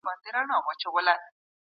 په هر ډول ځان وژنه کي اړيکي مهمي دي.